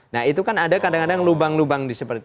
nah itu kan ada kadang kadang lubang lubang di